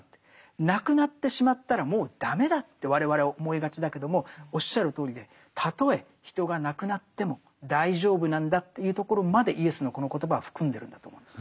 亡くなってしまったらもう駄目だって我々は思いがちだけどもおっしゃるとおりでたとえ人が亡くなっても大丈夫なんだっていうところまでイエスのこの言葉は含んでるんだと思うんです。